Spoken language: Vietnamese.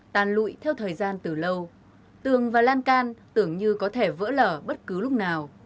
tàn lụi theo thời gian từ lâu tường và lan can tưởng như có thể vỡ lở bất cứ lúc nào